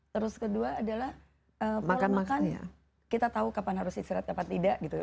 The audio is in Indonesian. terus kedua adalah pola makan kita tahu kapan harus istirahat kapan tidak gitu